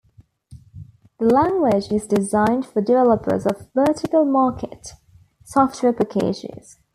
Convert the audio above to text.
The language is designed for developers of vertical market software packages.